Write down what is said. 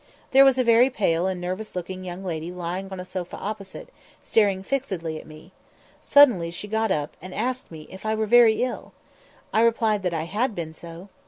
There was a very pale and nervous looking young lady lying on a sofa opposite, staring fixedly at me. Suddenly she got up, and asked me if I were very ill? I replied that I had been so.